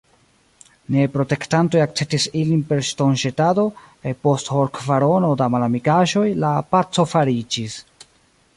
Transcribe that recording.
Niaj protektantoj akceptis ilin per ŝtonĵetado, kaj post horkvarono da malamikaĵoj, la paco fariĝis.